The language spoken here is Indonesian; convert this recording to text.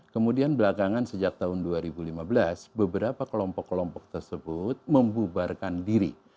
kemudian belakangan sejak tahun dua ribu lima belas beberapa kelompok kelompok tersebut membubarkan diri